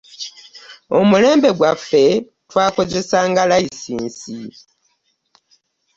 Omulembe gwaffe twakozesa nga layisinsi.